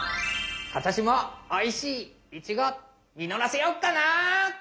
ことしもおいしいイチゴみのらせよっかな！